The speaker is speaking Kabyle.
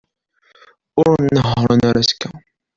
Ur nehhṛen ara azekka.